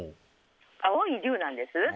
青い龍なんです。